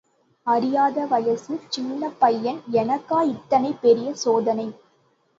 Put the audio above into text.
அறியாத வயசு, சின்னப் பையன் எனக்கா இத்தனை பெரிய சோதனை.